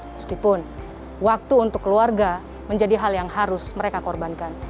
meskipun waktu untuk keluarga menjadi hal yang harus mereka korbankan